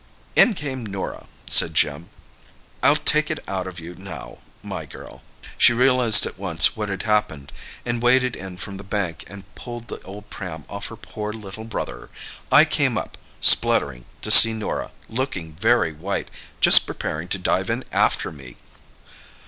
"In came Norah," said Jim. "(I'll take it out of you now, my girl!) She realised at once what had happened and waded in from the bank and pulled the old pram off her poor little brother! I came up, spluttering, to see Norah, looking very white, just preparing to dive in after me!"